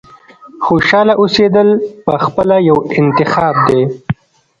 • خوشحاله اوسېدل پخپله یو انتخاب دی.